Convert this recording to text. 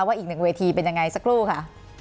อีกหนึ่งเวทีเป็นยังไงสักครู่ค่ะ